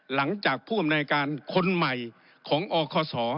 หลังจากผู้อำนวยการคนใหม่ของอคศ